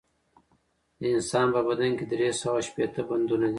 د انسان په بدن کښي درې سوه او شپېته بندونه دي